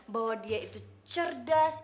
bahwa dia itu cerdas